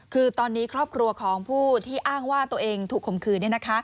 คือตอนนี้ครอบครัวของผู้ที่อ้างว่าตัวเองถูกคมคืน